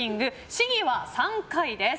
試技は３回です。